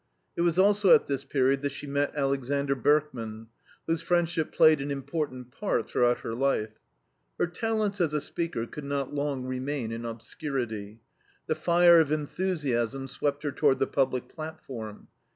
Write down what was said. It was also at this period that she met Alexander Berkman, whose friendship played an important part throughout her life. Her talents as a speaker could not long remain in obscurity. The fire of enthusiasm swept her toward the public platform.